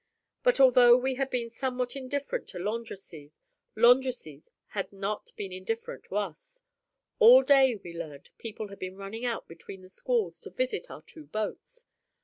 But although we had been somewhat indifferent to Landrecies, Landrecies had not been indifferent to us. All day, we learned, people had been running out between the squalls to visit our two boats.